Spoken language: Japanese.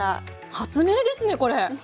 発明ですねこれ。